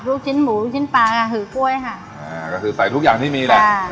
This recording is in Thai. ลูกชิ้นหมูลูกชิ้นปลาก็คือกล้วยค่ะอ่าก็คือใส่ทุกอย่างที่มีแหละค่ะ